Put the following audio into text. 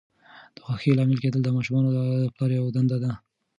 د خوښۍ لامل کېدل د ماشومانو د پلار یوه دنده ده.